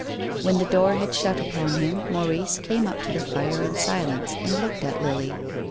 When the door had shut upon him, Maurice came up to the fire in silence and looked at Lily.